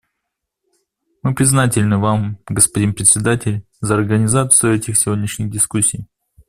Мы признательны вам, господин Председатель, за организацию этих сегодняшних дискуссий.